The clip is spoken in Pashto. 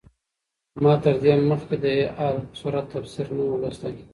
ما تر دې مخکې د علق سورت تفسیر نه و لوستی.